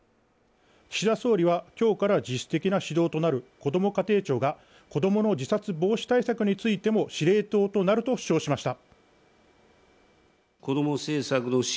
岸田総理は今日から実質的な始動となるこども家庭庁が子供の自殺防止対策についても司令塔となると主張しました。